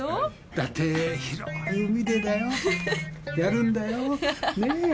だって広い海でだよやるんだよ？ね？